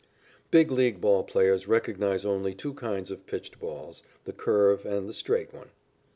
Big League ball players recognize only two kinds of pitched balls the curve and the straight one.